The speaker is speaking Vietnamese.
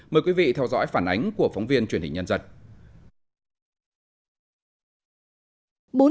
mời quý vị theo dõi phản ánh của phóng viên truyền hình nhân dân